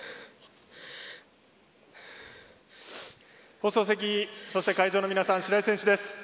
放送席、そして会場の皆さん白井選手です。